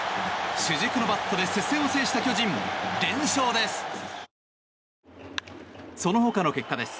主軸のバットで接戦を制した巨人連勝です。